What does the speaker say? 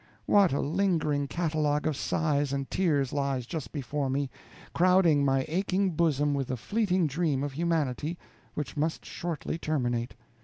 What a lingering catalogue of sighs and tears lies just before me, crowding my aching bosom with the fleeting dream of humanity, which must shortly terminate.